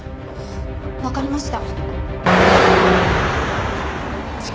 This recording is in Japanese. わかりました。